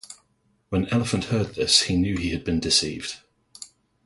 When Elephant heard this, he knew he had been deceived.